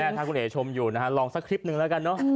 ถ้าคุณเอ๋ชมอยู่นะฮะลองสักคลิปหนึ่งแล้วกันเนอะ